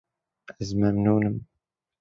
Ez memnûn im.